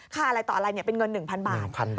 อะไรต่ออะไรเป็นเงิน๑๐๐บาท